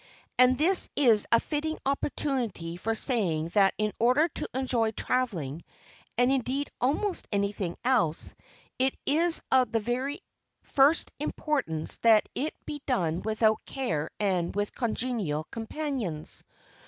And this is a fitting opportunity for saying that in order to enjoy travelling, and indeed almost anything else, it is of the very first importance that it be done without care and with congenial companions.